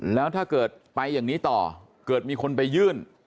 แล้วถ้าเกิดไปอย่างนี้ต่อเกิดมีคนไปยื่น